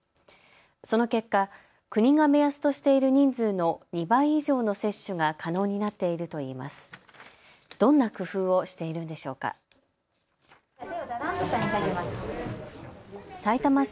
その結果、国が目安としている人数の２倍以上の接種が可能になっているといいます。